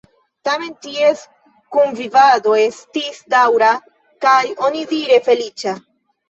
Tamen ties kunvivado estis daŭra kaj onidire feliĉa.